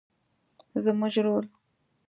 زموږ رول